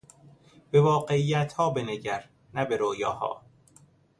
به واقعیتها بنگر نه به رویاها.